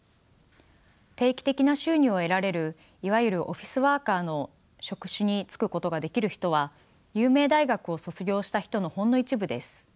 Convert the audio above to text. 定期的な収入を得られるいわゆるオフィスワーカーの職種に就くことができる人は有名大学を卒業した人のほんの一部です。